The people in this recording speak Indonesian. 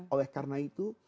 oleh karena itu